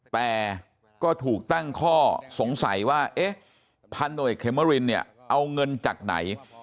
แต่ก็ถูกตั้งข้อสงสัยว่าเอ๊ะพันหน่วยเขมรินเนี่ยเอาเงินจากไหน